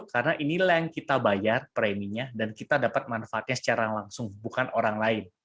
karena ini yang kita bayar preminya dan kita dapat manfaatnya secara langsung bukan orang lain